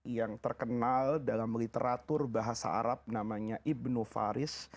yang terkenal dalam literatur bahasa arab namanya ibn faris